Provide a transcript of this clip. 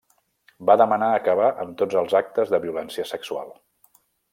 Va demanar acabar amb tots els actes de violència sexual.